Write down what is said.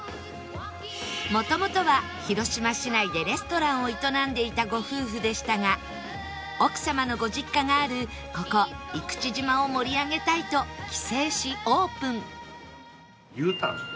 元々は広島市内でレストランを営んでいたご夫婦でしたが奥様のご実家があるここ生口島を盛り上げたいと帰省しオープンＵ ターン。